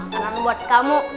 makanan buat kamu